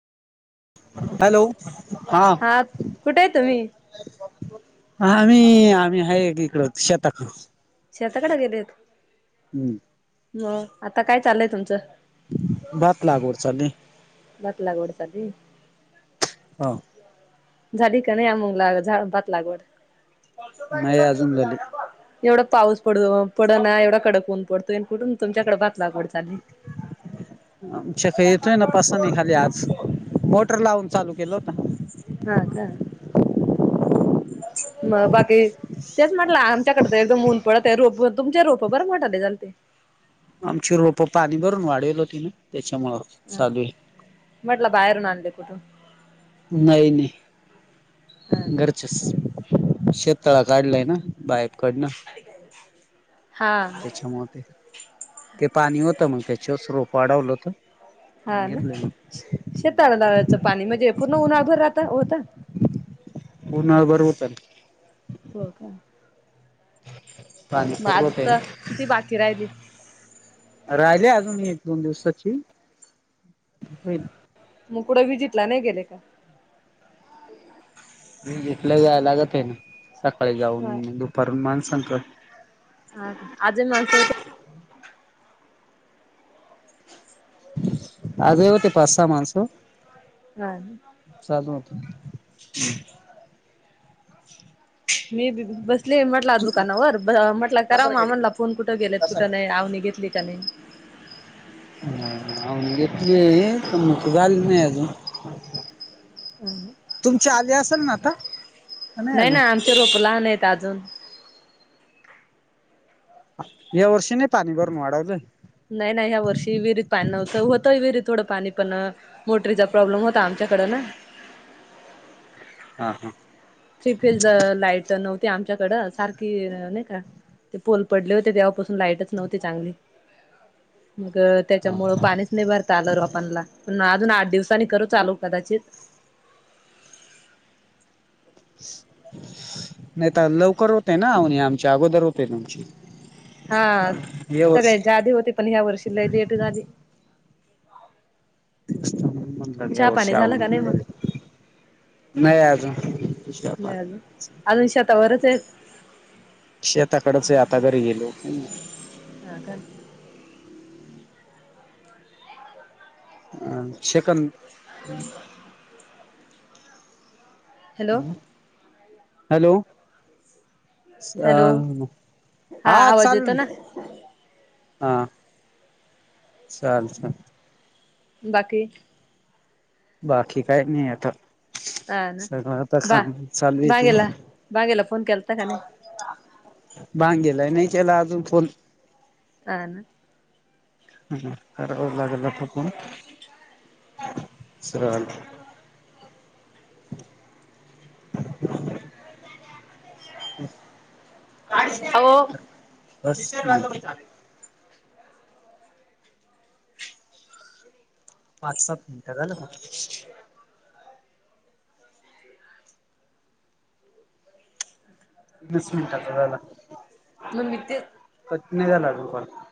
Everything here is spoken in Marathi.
हॅलो हा. कुठे आहे तुम्ही आम्ही आम्ही आहे इकडं शेताकडं. शेताकडे गेलेत. हम. हो, आता काय चालंय तुमचं. भात लागवड चालू ये. भात लागवड चालली झाली का नाही, मग झा भात लागवड. नाही अजून झाली. एवढा पाऊस पड पड ना एवढा कडक ऊन पडतोय, कुठून तुमच्याकडे भात लागवड चालेय. [inaudible] आमच्या ख येतोय ना पसन निघाली आज मोटर लावून चालू केल होत. हा का. मग बाकी, तेच म्हटलं आमच्याकड तर एकदम ऊन पडत ये रोप तुमचे रोप बर मोटाले झालते. आमची रोपं पाणी भरून वाढवली होतीना त्याच्यामुळं, अ.. चालू म्हटलं बाहेरून आणले कुठून. नाही हा नाही ना घरचे. शेत तळा काढलाय ना, बाहेप कढणं [unintelligible] हा त्यांच्यामुळे ते. ते पाणी होतं मग, त्याच्यावर रोप वाढवलं होत हा ना [unintelligible] शेताला लावायचं पाणी म्हणजे, पूर्ण उन्हाभर राहत होत. उन्हाळ भर होतं ना. हो का. पाणी माझ पुरवत तर आहे किती बाकी राहिली. राहिले अजून एक दोन दिवसाची होईल. मग कुठं विजिटला नाही गेले का, एकल जाय लागते, ना सकाळी हा जाऊन दुपारून माणसांकड. आज येणार होतो. आज हे होते पाच सहा माणसं. हा धू मत मी बसली म्हटला दुकानावर म्हटला करा म म्हणला फोन कुठं गेलेत कुठ नाही आव घेतली का नाही. घेतली तर म जा नाही अजून ह. तुमची आले असेल ना आता नाही ना आमचे रोप लहान आहेत अजून. यावर्षी नाही पाणी करन वाडावलं. नाही नाही ह्या वर्षी विहिरीत पाणी नव्हतं होतय विहिरीत थोडं पाणी पण मोटरीचा प्रॉब्लेम होता आमच्याकडं ना. हा, हा. सपेज लाईट नव्हती आमच्याकडं सारखी नाही का ते पोल पडले होते तेव्हापासून लाईटच नव्हती चांगली मग हा त्याच्यामुळं पाणीच नाही. भरता आलं र आपणला अजून आठ दिवसांनी करू चालू कदाचित नाही तर लवकर होते ना आमच्या अगोदर होते आमची हा या सगळे वर्षी जादी होते. पण ह्या वर्षी लय लेट झाली. ते. ग चहा वर्ष पाणी झाला का नाही मग म्हणज नाही आजून हश. नाही अजून अजून शेतावरच आहेत. शेताकडच आहे, आता घरी गेलो. हा. अ शेकंद. Hello hello. अ हॅलो हा आवाज चाल. येतो ना हां चाल तय बाकी. बाकी काही नाही आता हा ना सगळं आता बा काम चालू आहेत. बागेला बागेला फोन केलता का नाही बांगेलाय नाही. केला अजून फोन अ ना. ह लागल लाकून स चाचा अहो [inaudible] पाच, सात मिनटात झालं मग पीस मिनटाच झाला मग मी तेच कत नाही झालागोप